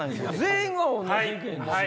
全員が同じ意見ですよね。